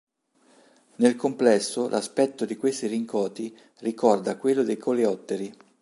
Nel complesso, l'aspetto di questi Rincoti ricorda quello dei Coleotteri.